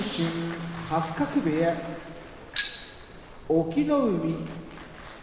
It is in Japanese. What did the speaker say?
隠岐の海